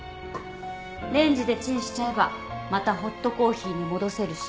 レンジでチンしちゃえばまたホットコーヒーに戻せるし。